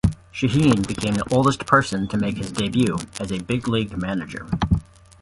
Sheehan became the oldest person to make his debut as a big-league manager.